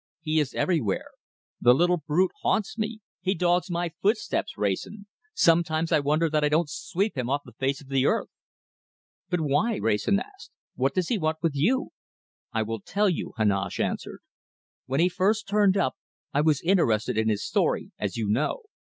He is everywhere. The little brute haunts me! He dogs my footsteps, Wrayson. Sometimes I wonder that I don't sweep him off the face of the earth." "But why?" Wrayson asked. "What does he want with you?" "I will tell you," Heneage answered. "When he first turned up, I was interested in his story, as you know.